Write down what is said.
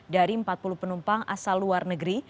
dari empat puluh penumpang asal luar negeri